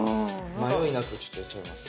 迷いなくちょっとやっちゃいます。